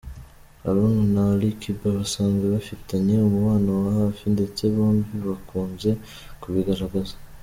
Haruna na Ali Kiba basanzwe bafitanye umubano wa hafi, ndetse bombi bakunze kubigaragaza.